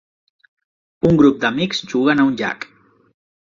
Un grup d'amics juguen a un llac.